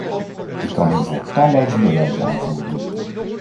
Ik kan hiervoor talloze bewijzen aanvoeren.